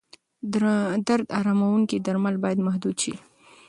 درد اراموونکي درمل باید محدود شي.